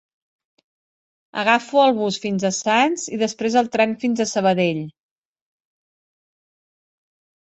Agafo el bus fins a Sants i després el tren fins a Sabadell.